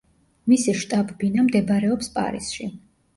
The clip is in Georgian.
მისი შტაბ-ბინა მდებარეობს პარიზში.